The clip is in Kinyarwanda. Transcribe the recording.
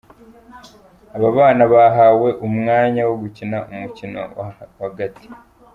Aba bana bahawe umwanya wo gukina umukino w’agati.